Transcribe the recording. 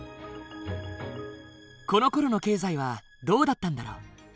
このころの経済はどうだったんだろう？